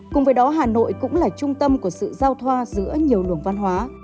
cùng với đó hà nội cũng là trung tâm của sự giao thoa giữa nhiều luồng văn hóa